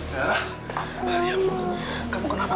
darah diam kamu kenapa